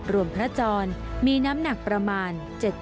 พระจรมีน้ำหนักประมาณ๗๐